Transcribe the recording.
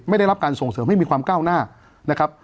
ไม่ได้รับการส่งเสริมไม่มีความก้าวหน้า